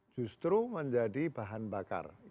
justru menjadi bahan bakar